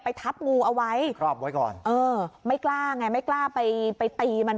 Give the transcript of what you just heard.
ทับงูเอาไว้ครอบไว้ก่อนเออไม่กล้าไงไม่กล้าไปไปตีมัน